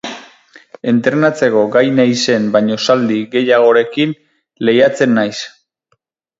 Entrenatzeko gai naizen baino zaldi gehiagorekin lehiatzen naiz.